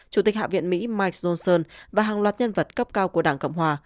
chủ tịch hạ viện mỹ mike johnson và hàng loạt nhân vật cấp cao của đảng cộng hòa